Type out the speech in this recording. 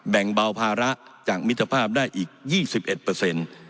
แบ่งเบาภาระจากมิตรภาพได้อีก๒๑เปอร์เซ็นต์